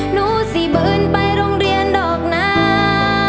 หนูสิบื้นไปโรงเรียนดอกน้า